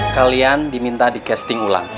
kalian diminta di casting ulang